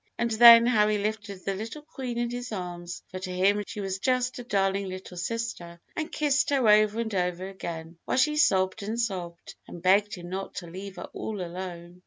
And then how he lifted the little Queen in his arms, for to him she was just a darling little sister, and kissed her over and over again, while she sobbed and sobbed, and begged him not to leave her all alone.